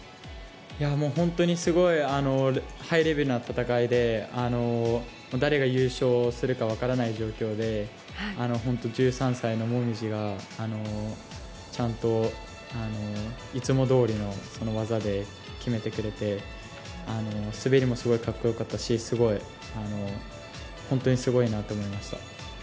すごいハイレベルな戦いで誰が優勝するか分からない状況で１３歳の椛がいつもどおりの技で決めてくれて滑りも、すごい格好良かったし本当にすごいなと思いました。